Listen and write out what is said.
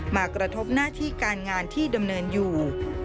มากระทบหน้าที่การงานที่ดำเนินอยู่